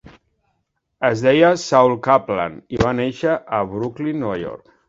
Es deia Saul Kaplan i va néixer a Brooklyn, Nova York.